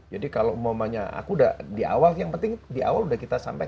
jadi kalau mau nanya aku udah di awal yang penting di awal udah kita sampai